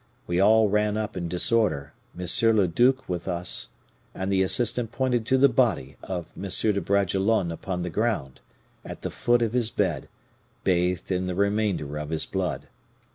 We all ran up in disorder, M. le duc with us, and the assistant pointed to the body of M. de Bragelonne upon the ground, at the foot of his bed, bathed in the remainder of his blood.